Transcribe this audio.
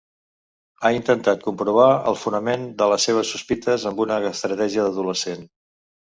Ha intentat comprovar el fonament de les seves sospites amb una estratègia d'adolescent.